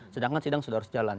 sedangkan sidang sudah harus jalan